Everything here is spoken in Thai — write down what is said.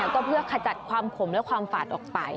ก็เพื่อขจัดความขมและความฝาดออกไป